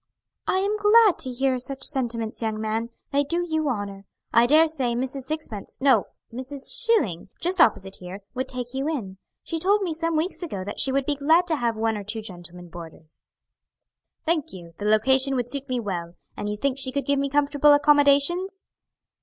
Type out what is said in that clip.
"I'm glad to hear such sentiments, young man; they do you honor. I daresay Mrs. Sixpence, no, Mrs. Schilling, just opposite here, would take you in. She told me some weeks ago that she would be glad to have one or two gentlemen boarders." "Thank you, the location would suit me well; and you think she could give me comfortable accommodations?"